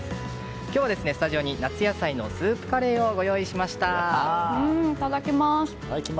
今日は、スタジオに夏野菜のスープカレーをいただきます。